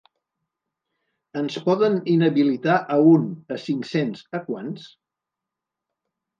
Ens poden inhabilitar a un, a cinc-cents, a quants?